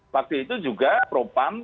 waktu itu juga propam